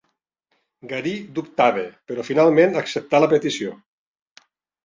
Garí dubtava, però finalment acceptà la petició.